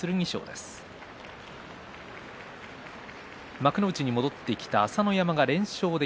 幕内に戻ってきた朝乃山２連勝です。